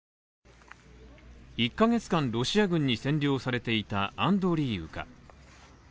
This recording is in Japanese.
１カ月間、ロシア軍に占領されていたアンドリーウカ。